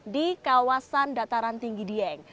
di kawasan dataran tinggi dieng